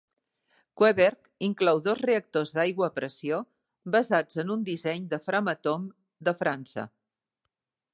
Koeberg inclou dos reactors d'aigua a pressió basats en un disseny de Framatome, de França.